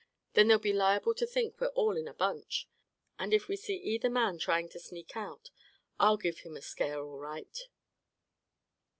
Then they'll be liable to think we're all there in a bunch. And if we see either man trying to sneak out, I'll give him a scare, all right."